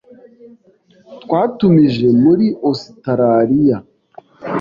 Twatumije muri Ositaraliya.